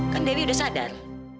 kan dewi udah sadar